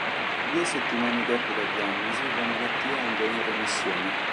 Due settimane dopo la diagnosi, la malattia andò in remissione.